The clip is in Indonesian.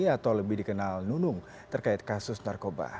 atau lebih dikenal nunung terkait kasus narkoba